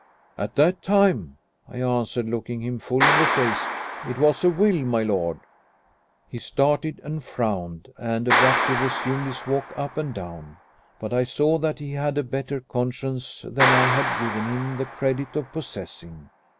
"At that time?" I answered, looking him full in the face. "It was a will, my lord." He started and frowned, and abruptly resumed his walk up and down. But I saw that he had a better conscience than I had given him the credit of possessing.